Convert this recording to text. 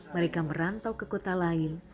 mereka merantau ke kota lain